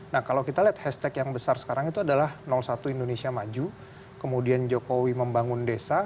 nah kalau kita lihat hashtag yang besar sekarang itu adalah satu indonesia maju kemudian jokowi membangun desa